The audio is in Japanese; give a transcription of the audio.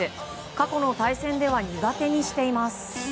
過去の対戦では苦手にしています。